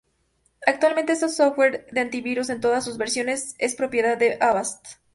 Actualmente este software de antivirus en todas sus versiones es propiedad de Avast.